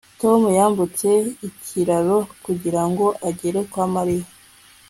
tom yambutse ikiraro kugira ngo agere kwa mariya